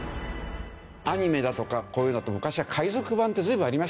アニメだとかこういうのって昔は海賊版って随分ありましたよね。